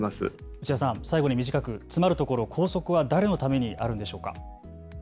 内田さん、最後に短くつまるところ、校則は誰のためにあるんでしょうか。